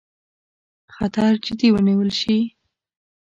خطر جدي ونیول شي.